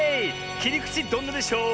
「きりくちどんなでショー」